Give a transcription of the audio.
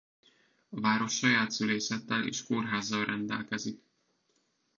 A város saját szülészettel és kórházzal rendelkezik.